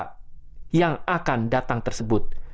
ini adalah murka yang akan datang tersebut